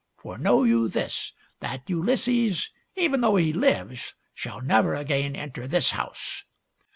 For know you this, that Ulysses, even though he lives, shall never again enter this house."